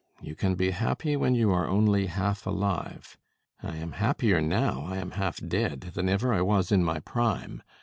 You can be happy when you are only half alive. I am happier now I am half dead than ever I was in my prime.